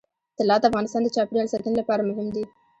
طلا د افغانستان د چاپیریال ساتنې لپاره مهم دي.